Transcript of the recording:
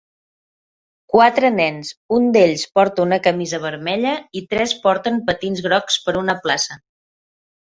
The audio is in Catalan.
Quatre nens, un d"ells porta una camisa vermella i tres porten patins grocs per una plaça.